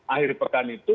akhir pekan itu